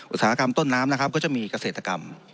อุตสาหกรรมต้นน้ำนะครับก็จะมีเกษตรกรรม